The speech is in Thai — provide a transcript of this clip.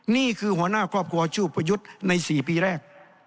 นี่คือหัวหน้าครอบครัวชื่อประยุทธ์ใน๔ปีแรก